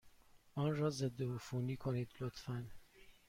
آن را ضدعفونی کنید، لطفا.